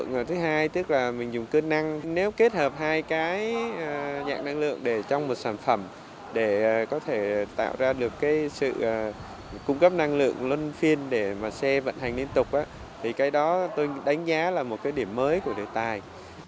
dạng năng lượng thứ hai tức là mình dùng cơ năng nếu kết hợp hai cái dạng năng lượng để trong một sản phẩm để có thể tạo ra được sự cung cấp năng lượng luôn phiên để mà xe vận hành liên tục thì cái đó tôi đánh giá là một cái điểm mới của đề tài